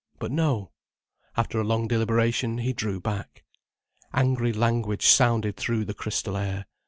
But no! After a long deliberation he drew back. Angry language sounded through the crystal air.